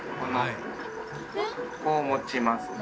ここのこう持ちますね。